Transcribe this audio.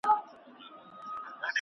ميرمن هرڅه پريږدي او د خاوند کورته راځي.